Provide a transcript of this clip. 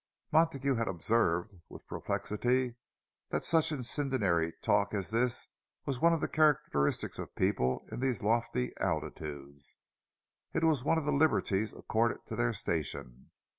Montague had observed with perplexity that such incendiary talk as this was one of the characteristics of people in these lofty altitudes. It was one of the liberties accorded to their station.